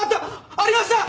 ありました！